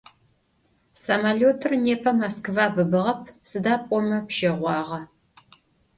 Samolötır nêpe Moskva bıbığep, sıda p'ome pşeğuağe.